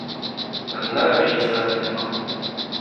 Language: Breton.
D'an Alre ez a an hent-mañ ?